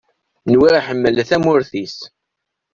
Nwiɣ iḥemmel tamurt-is.